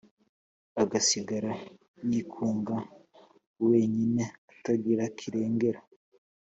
agasigara yikunga wenyine atagira kirengera»